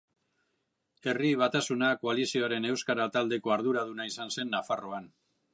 Herri Batasuna koalizioaren euskara taldeko arduraduna izan zen Nafarroan.